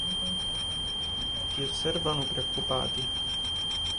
Ti osservano preoccupati.